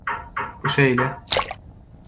Bu şeýle.